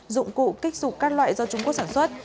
dụng cụ kích sụp các loại do trung quốc sản xuất